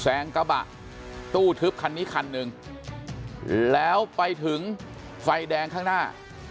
งกระบะตู้ทึบคันนี้คันหนึ่งแล้วไปถึงไฟแดงข้างหน้า